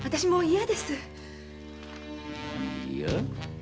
嫌？